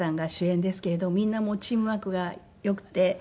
みんなチームワークがよくて。